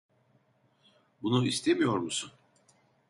Bunu istemiyor musun?